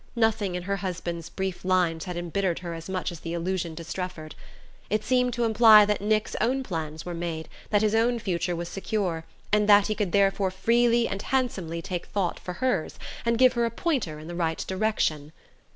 Nothing in her husband's brief lines had embittered her as much as the allusion to Strefford. It seemed to imply that Nick's own plans were made, that his own future was secure, and that he could therefore freely and handsomely take thought for hers, and give her a pointer in the right direction.